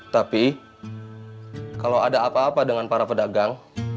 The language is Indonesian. tapi kalau ada apa apa dengan para pedagang